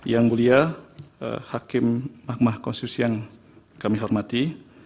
yang mulia hakim mahkamah konstitusi yang kami hormati